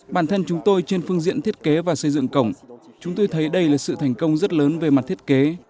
bản thân chúng tôi trên phương diện thiết kế và xây dựng cổng chúng tôi thấy đây là sự thành công rất lớn về mặt thiết kế